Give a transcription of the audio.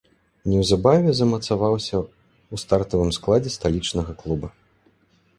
Неўзабаве замацаваўся ў стартавым складзе сталічнага клуба.